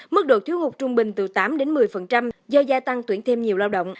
mức độ thiếu hụt trung bình từ tám đến một mươi do gia tăng tuyển thêm nhiều lao động